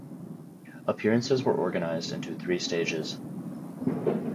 Appearances were organized into three stages.